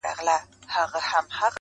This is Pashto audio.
نن ملا په خوله کي بيا ساتلی گاز دی~